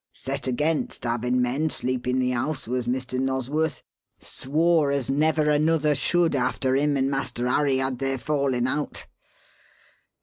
Set against havin' men sleep in the house was Mr. Nosworth swore as never another should after him and Master Harry had their fallin' out.